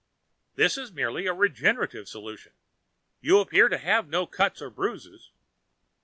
"This is merely a regenerative solution. You appear to have no cuts or bruises."